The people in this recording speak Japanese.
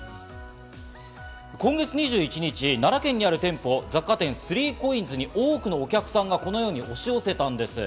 今月２１日、奈良県にある店舗、雑貨店３ＣＯＩＮＳに多くのお客さんがこのように押し寄せたんです。